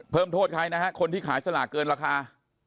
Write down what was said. เพิ่มโทษใครนะฮะคนที่ขายสลากเกินราคา